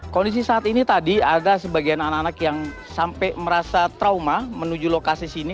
kondisi saat ini tadi ada sebagian anak anak yang sampai merasa trauma menuju lokasi sini